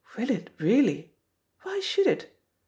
"Will it, really? Why should it?